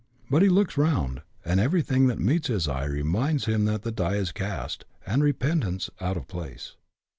But he looks round, and everything that meets his eye reminds him that the die is cast, and repentance out of place.